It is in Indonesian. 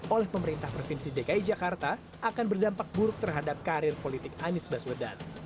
oleh pemerintah provinsi dki jakarta akan berdampak buruk terhadap karir politik anies baswedan